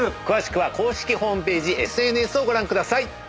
詳しくは公式ホームページＳＮＳをご覧ください。